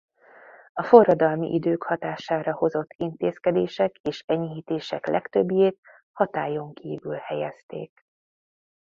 A forradalmi idők hatására hozott intézkedések és enyhítések legtöbbjét hatályon kívül helyezték.